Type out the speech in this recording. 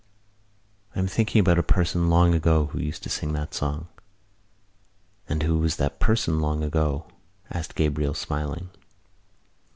"I am thinking about a person long ago who used to sing that song." "And who was the person long ago?" asked Gabriel, smiling.